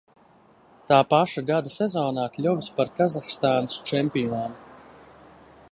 Tā paša gada sezonā kļuvis par Kazahstānas čempionu.